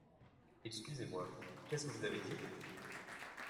Excusez-moi, qu'est-ce que vous avez dit ?